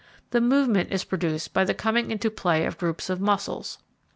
The movement is produced by the coming into play of groups of muscles.